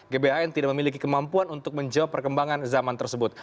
gbhn tidak memiliki kemampuan untuk menjawab perkembangan zaman tersebut